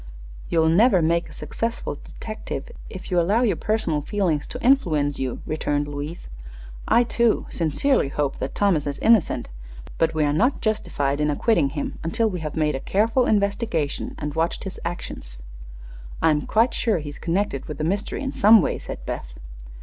"You'll never make a successful detective if you allow your personal feelings to influence you," returned Louise. "I, too, sincerely hope that Thomas is innocent; but we are not justified in acquitting him until we have made a careful investigation and watched his actions." "I'm quite sure he's connected with the mystery in some way," said Beth.